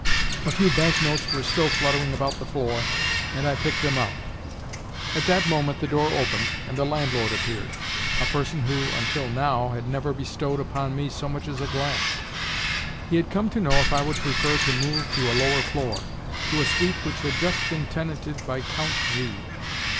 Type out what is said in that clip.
A few bank notes were still fluttering about the floor, and I picked them up. At that moment the door opened, and the landlord appeared—a person who, until now, had never bestowed upon me so much as a glance. He had come to know if I would prefer to move to a lower floor—to a suite which had just been tenanted by Count V.